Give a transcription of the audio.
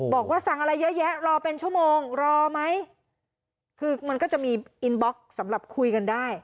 บอกว่าสั่งอะไรเยอะแยะรอเป็นชั่วโมงรอไหมคือมันก็จะมีอินบล็อกสำหรับคุยกันได้